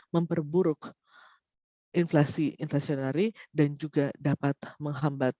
memperburuk inflasi inflasionali dan juga dapat menghambat